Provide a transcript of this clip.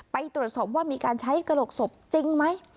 ไปตรวจสอบว่ามีการใช้กระโหลกศพจริงไหม